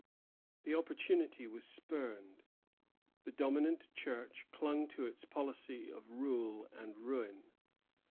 The opportunity was spurned. The dominant Church clung to its policy of rule and ruin.